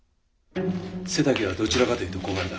背丈はどちらかと言うと小柄だ。